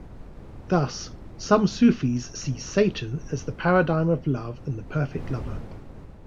Thus, some Sufis see Satan as the paradigm of love and the perfect lover.